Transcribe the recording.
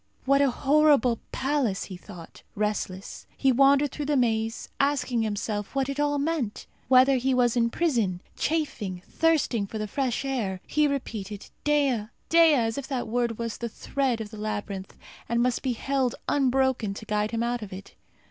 What a horrible palace! he thought. Restless, he wandered through the maze, asking himself what it all meant whether he was in prison; chafing, thirsting for the fresh air. He repeated Dea! Dea! as if that word was the thread of the labyrinth, and must be held unbroken, to guide him out of it.